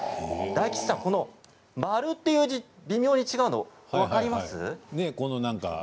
大吉さん、丸という字微妙に違うの分かりますか？